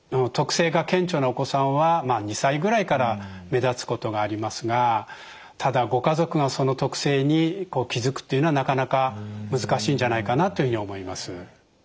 特性が顕著なお子さんは２歳ぐらいから目立つことがありますがただご家族がその特性に気付くっていうのはなかなか難しいんじゃないかなというふうに思います。